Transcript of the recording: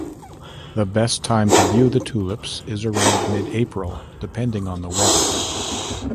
The best time to view the tulips is around mid-April, depending on the weather.